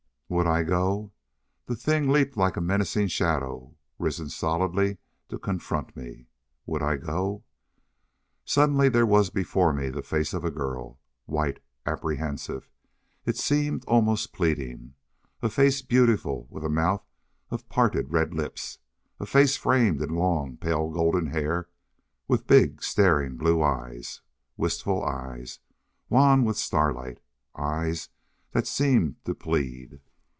Would I go? The thing leaped like a menacing shadow risen solidly to confront me. Would I go? Suddenly there was before me the face of a girl. White. Apprehensive. It seemed almost pleading. A face beautiful, with a mouth of parted red lips. A face framed in long, pale golden hair with big staring blue eyes. Wistful eyes, wan with starlight eyes that seemed to plead.